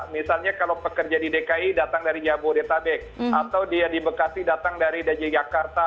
misalnya kalau pekerja di dki datang dari jabodetabek atau dia di bekasi datang dari dj jakarta